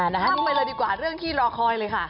ทำไปเลยดีกว่าเรื่องที่รอคอยเลยค่ะ